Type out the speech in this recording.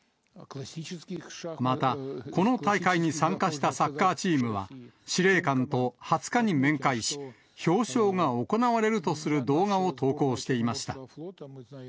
またこの大会に参加したサッカーチームは、司令官と２０日に面会し、表彰が行われるとする動画を投稿していました。